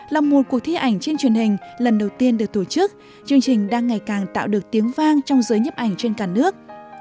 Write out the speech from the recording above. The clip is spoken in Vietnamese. là một cuộc thi ảnh trên truyền hình lần đầu tiên được tổ chức chương trình đang ngày càng tạo được tiếng vang trong giới nhấp ảnh trên cả nước